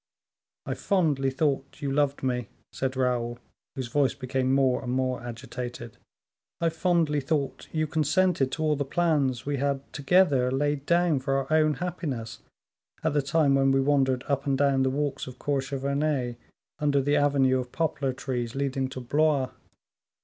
"I fondly thought you loved me," said Raoul, whose voice became more and more agitated; "I fondly thought you consented to all the plans we had, together, laid down for our own happiness, at the time when we wandered up and down the walks of Cour Cheverny, under the avenue of poplar trees leading to Blois.